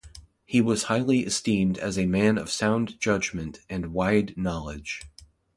He was highly esteemed as a man of sound judgement and wide knowledge.